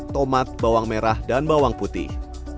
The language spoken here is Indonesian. tomat bawang merah dan bawang putih